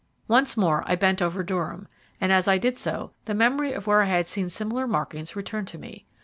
Once more I bent over Durham, and as I did so the memory of where I had seen similar markings returned to me.